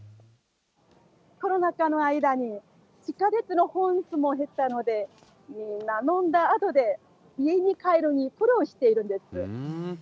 コロナ禍の間に地下鉄の本数も減ったので、みんな飲んだあとで、家に帰るのに苦労しているんです。